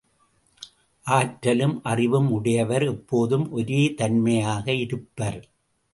ஆற்றலும் அறிவும் உடையவர் எப்போதும் ஒரே தன்மையாக இருப்பர்.